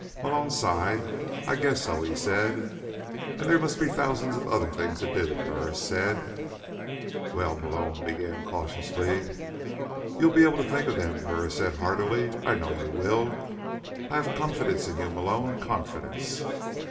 Malone sighed. "I guess so," he said. "And there must be thousands of other things to do," Burris said. "Well—" Malone began cautiously. "You'll be able to think of them," Burris said heartily. "I know you will. I have confidence in you, Malone. Confidence."